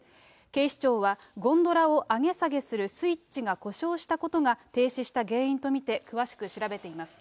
警視庁は、ゴンドラを上げ下げするスイッチが故障したことが、停止した原因と見て、詳しく調べています。